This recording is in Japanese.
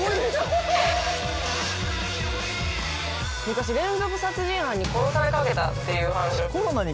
昔連続殺人犯に殺されかけたっていう話を。